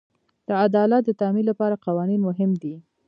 د عدالت د تامین لپاره قوانین مهم دي.